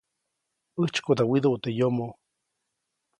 ‒ʼäjtsykoda widuʼu teʼ yomoʼ-.